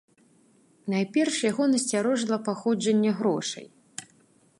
Найперш яго насцярожыла паходжанне грошай.